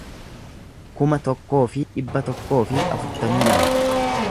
kuma tokkoo fi dhibba tokkoo fi afurtamii lama